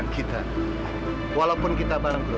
tapi pak maman janji sama aku